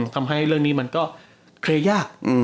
ทำให้เรื่องนี้มันก็เคลียร์ยาก